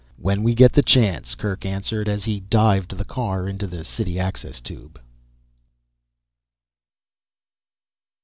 "When we get the chance," Kerk answered as he dived the car into the city access tube.